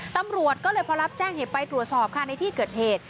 ตำรวจก็เลยพอรับแจ้งเหตุไปตรวจสอบค่ะในที่เกิดเหตุ